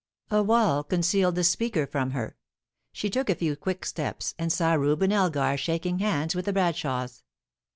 A wall concealed the speaker from her; she took a few quick steps, and saw Reuben Elgar shaking hands with the Bradshaws.